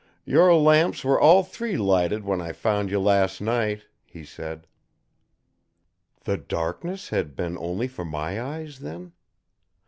"Your lamps were all three lighted when I found you last night," he said. The darkness had been only for my eyes, then?